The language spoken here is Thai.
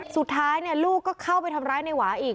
สุดท้ายเนี่ยลูกก็เข้าไปทำร้ายนายหวาอีก